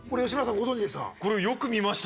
ご存じでした？